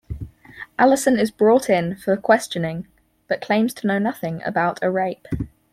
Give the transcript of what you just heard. Allison is brought in for questioning, but claims to know nothing about a rape.